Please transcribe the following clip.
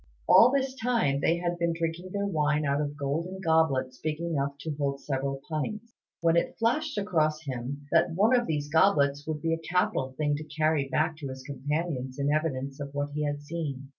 All this time they had been drinking their wine out of golden goblets big enough to hold several pints, when it flashed across him that one of these goblets would be a capital thing to carry back to his companions in evidence of what he had seen.